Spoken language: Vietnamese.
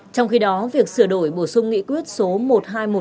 trong khi đó việc sửa đổi bổ sung nghị quyết số một nghìn hai trăm một mươi hai